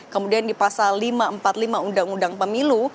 kemudian di pasal lima ratus empat puluh lima undang undang pemilu